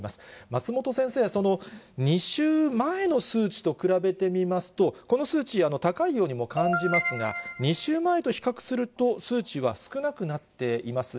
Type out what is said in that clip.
松本先生、その２週前の数値と比べてみますと、この数値、高いようにも感じますが、２週前と比較すると、数値は少なくなっています。